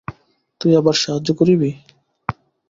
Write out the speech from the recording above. তুই আবার সাহায্য করিবি!